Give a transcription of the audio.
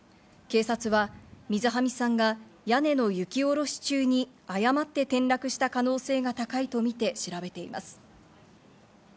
警察は水喰さんが屋根の雪下ろし中に誤って転落した可能性が高いとみて調べています。